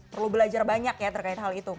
perlu belajar banyak ya terkait hal itu